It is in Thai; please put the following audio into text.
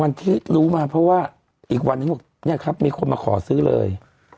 ที่รู้มาเพราะว่าอีกวันนึงบอกเนี่ยครับมีคนมาขอซื้อเลย